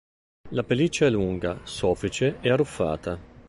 La pelliccia è lunga, soffice e arruffata.